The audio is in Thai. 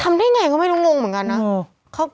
ทำได้อย่างไรก็ไม่ต้องงงเหมือนกันน่ะ